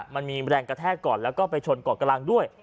มันมีแรงกระแทกก่อนแล้วก็ไปชนเกาะกลางด้วย